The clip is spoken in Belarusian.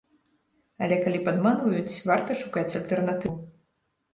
Але калі падманваюць, варта шукаць альтэрнатыву.